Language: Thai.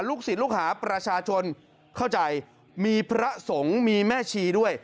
ศิลปลูกหาประชาชนเข้าใจมีพระสงฆ์มีแม่ชีด้วย